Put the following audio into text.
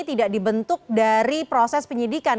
tidak dibentuk dari proses penyidikan